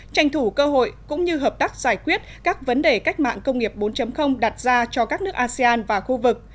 tranh thủ cơ hội cũng như hợp tác giải quyết các vấn đề cách mạng công nghiệp bốn đặt ra cho các nước asean và khu vực